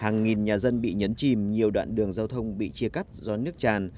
nhà dân bị nhấn chìm nhiều đoạn đường giao thông bị chia cắt do nước tràn